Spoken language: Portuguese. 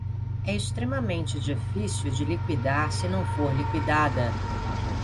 é extremamente difícil de liquidar se não for liquidada